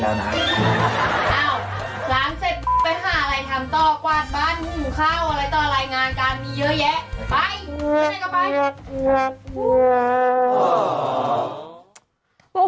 ก็ละลายงานการมีเยอะแยะไปทางไหนก็ไป